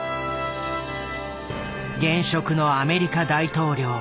現職のアメリカ大統領